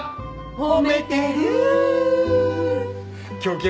褒めてる！